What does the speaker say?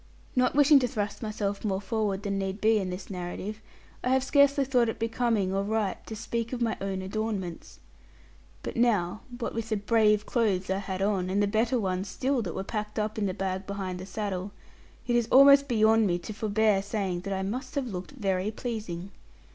Not wishing to thrust myself more forward than need be in this narrative, I have scarcely thought it becoming or right to speak of my own adornments. But now, what with the brave clothes I had on, and the better ones still that were packed up in the bag behind the saddle, it is almost beyond me to forbear saying that I must have looked very pleasing.